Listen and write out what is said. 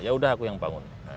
sudah aku yang bangun